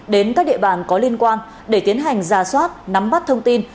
đến các địa bàn có liên quan để tiến hành ra soát nắm bắt thông tin